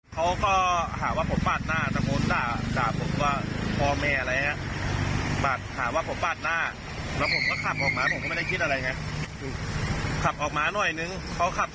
เป็นกระบะกระบะฝั่งสีดำกระบะครับเป็นรถเก็งหรือพวกกระบะ